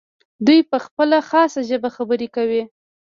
دوی په خپله خاصه ژبه خبرې کوي.